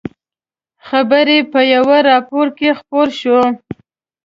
خبر یې په یوه راپور کې خپور شو.